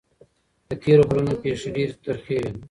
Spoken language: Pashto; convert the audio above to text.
د تېرو کلونو پېښې ډېرې ترخې وې.